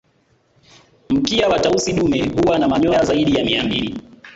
Mkia wa Tausi dume huwa na manyoa zaidi ya Mia mbili